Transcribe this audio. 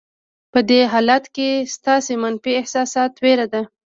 په دې حالت کې ستاسې منفي احساسات وېره ده.